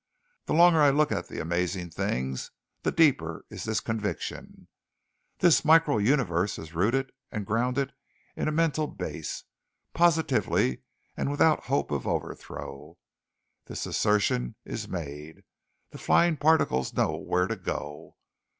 The longer I look at the amazing things, the deeper is this conviction. This micro universe is rooted and grounded in a mental base. Positively and without hope of overthrow, this assertion is made the flying particles know where to go.